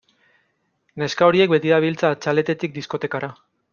Neska horiek beti dabiltza txaletetik diskotekara.